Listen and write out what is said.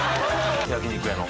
焼き肉屋の。